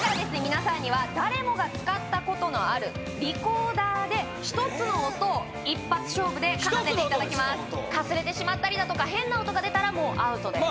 皆さんには誰もが使ったことのあるリコーダーで１つの音を一発勝負で奏でていただきますかすれてしまったりだとか変な音が出たらもうアウトです